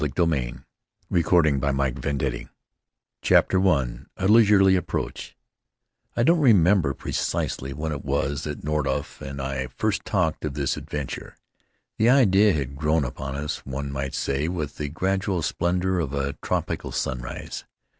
Landfall Faery Lands Of the South Seas A CHAPTER I A Leisurely Approach DON'T remember precisely when it was that Nordhoff and I first talked of this adventure. The idea had grown upon us, one might say, with the gradual splendor of a tropical sunrise.